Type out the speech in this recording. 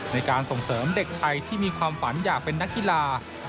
ในการส่งเสริมเด็กไทยที่มีความฝันอยากเป็นนักกีฬา